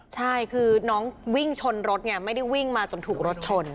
ใช่คือน้องวิ่งชนรถไงไม่ได้วิ่งมาจนถูกรถชน